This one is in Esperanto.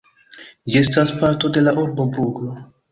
Ĝi estas parto de la urbo Bruĝo.